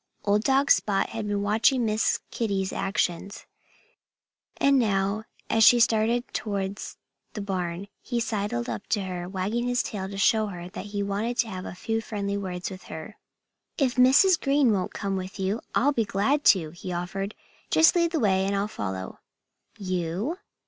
Old dog Spot had been watching Miss Kitty's actions. And now, as she started towards the barn, he sidled up to her, wagging his tail to show her that he wanted to have a few friendly words with her. "If Mrs. Green won't come with you, I'll be glad to," he offered. "Just lead the way and I'll follow." "You?"